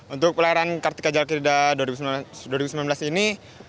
untuk layaran kartika jalakirida dua ribu sembilan belas ini